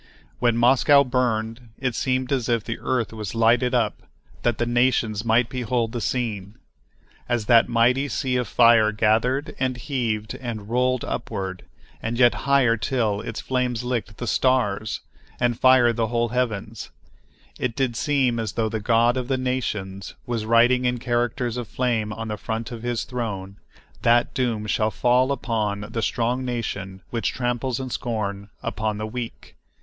When Moscow burned, it seemed as if the earth was lighted up that the nations might behold the scene. As that mighty sea of fire gathered and heaved and rolled upward and yet higher till its flames licked the stars and fired the whole heavens, it did seem as tho the God of the nations was writing in characters of flame on the front of his throne that doom shall fall upon the strong nation which tramples in scorn upon the weak.